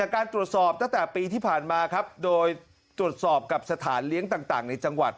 การตรวจสอบตั้งแต่ปีที่ผ่านมาครับโดยตรวจสอบกับสถานเลี้ยงต่างในจังหวัด